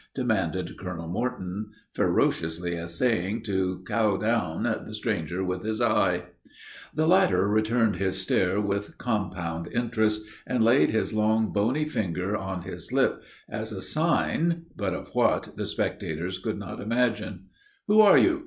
demanded Colonel Morton, ferociously essaying to cow down the stranger with his eye. The latter returned his stare with compound interest, and laid his long, bony finger on his lip, as a sign but of what, the spectators could not imagine. "Who are you?